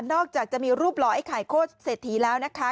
อกจากจะมีรูปหล่อไอ้ไข่โคตรเศรษฐีแล้วนะคะ